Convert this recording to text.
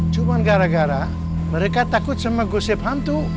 cuma gara gara mereka takut sama gosip hantu